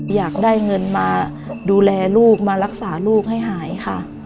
อยากได้เงินมาดูแลลูกมารักษาลูกให้หายค่ะ